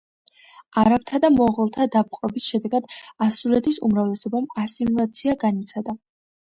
არაბთა და მონღოლთა დაპყრობის შედეგად ასურეთის უმრავლესობამ ასიმილაცია განიცადა.